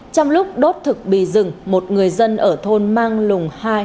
trong lúc đốt thực bì rừng một người dân ở thôn mang lùng hai